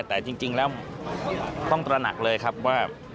แต่จริงแล้วต้องตระหนักเลยครับว่า